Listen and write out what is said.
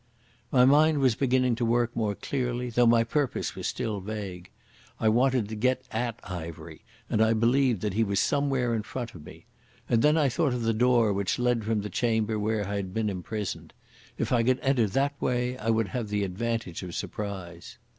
My mind was beginning to work more clearly, though my purpose was still vague. I wanted to get at Ivery and I believed that he was somewhere in front of me. And then I thought of the door which led from the chamber where I had been imprisoned. If I could enter that way I would have the advantage of surprise.